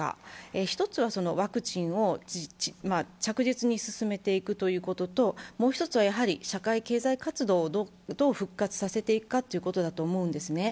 一つは、ワクチンを着実に進めていくということと、もう１つは、社会経済活動をどう復活させていくかだと思うんです。